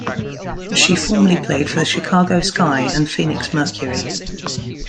She formerly played for the Chicago Sky and Phoenix Mercury.